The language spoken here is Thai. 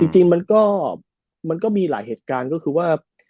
จริงมันก็มีหลายเหตุการณ์ก็คือว่า